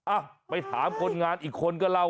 อ้าวไปถามคนงานอีกคนก่อนเราอะ